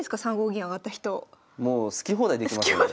もう好き放題できますよね。